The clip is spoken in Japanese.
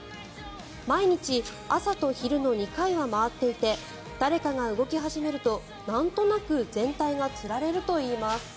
毎日朝と昼の２回は回っていて誰かが動き始めるとなんとなく全体が釣られるといいます。